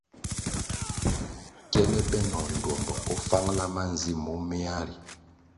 Kyele benoh ndtuombo bo fangla manzi moméa ri.